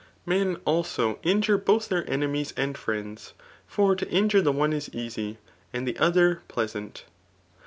Hen^ iJso^ iojure both itheir eneaiies and friends ; for to injure fl»i one is easy, imd the other pleasant.